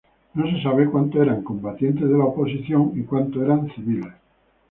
No se sabe cuántos eran combatientes de la oposición y cuántos eran civiles.